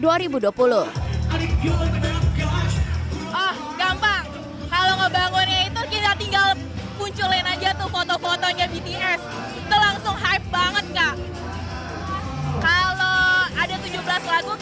oh gampang kalau ngebangunnya itu kita tinggal munculin aja tuh foto fotonya bts